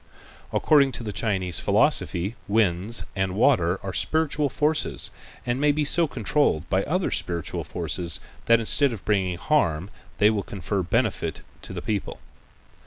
According to the Chinese philosophy winds and water are spiritual forces and may be so controlled by other spiritual forces that instead of bringing harm they will confer benefit upon the people.